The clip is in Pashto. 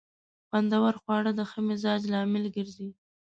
خوندور خواړه د ښه مزاج لامل ګرځي.